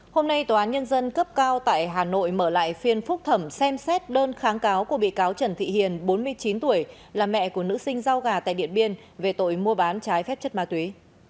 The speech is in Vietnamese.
hôm nay tòa án nhân dân cấp cao tại hà nội mở lại phiên phúc thẩm xem xét đơn kháng cáo của bị cáo trần thị hiền bốn mươi chín tuổi là mẹ của nữ sinh rau gà tại điện biên về tội mua bán trái phép chất ma túy